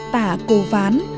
tả cổ ván